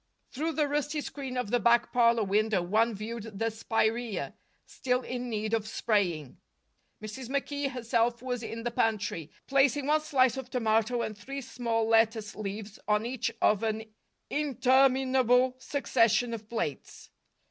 Through the rusty screen of the back parlor window one viewed the spiraea, still in need of spraying. Mrs. McKee herself was in the pantry, placing one slice of tomato and three small lettuce leaves on each of an interminable succession of plates.